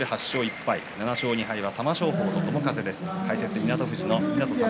７勝２敗で玉正鳳と友風です。